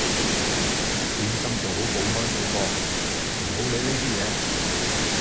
專心做好保安送貨，唔好理呢啲野